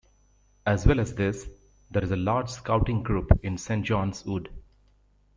As well as this, there is a large Scouting group in Saint Johns Wood.